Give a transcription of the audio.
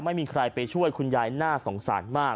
ไม่มีใครไปช่วยคุณยายน่าสงสารมาก